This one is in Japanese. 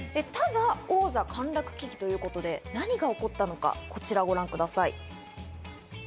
ただ王座陥落危機ということで何が起こったのか、こちらをご覧ください。